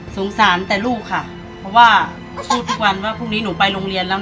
สารแต่ลูกค่ะเพราะว่าพูดทุกวันว่าพรุ่งนี้หนูไปโรงเรียนแล้ว